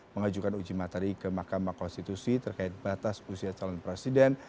mengajukan uji materi ke mahkamah konstitusi terkait batas usia calon presiden